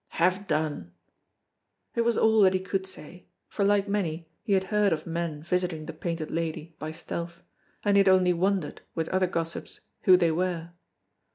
"Have done!" It was all that he could say, for like many he had heard of men visiting the Painted Lady by stealth, and he had only wondered, with other gossips, who they were.